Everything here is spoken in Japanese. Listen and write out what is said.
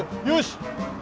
よし！